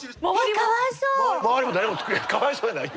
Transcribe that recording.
かわいそうやないよ！